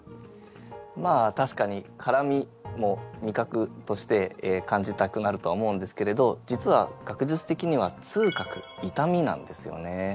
まあたしかに辛味も味覚として感じたくなるとは思うんですけれど実は学術的には痛覚痛みなんですよね。